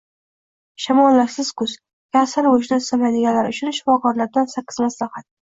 Shamollashsiz kuz: kasal bo‘lishni istamaydiganlar uchun shifokorlardansakkizmaslahat